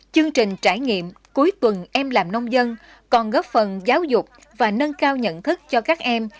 chương trình trải nghiệm cuối tuần em làm nông dân còn góp phần giáo dục và nâng cao nhận thức cho các em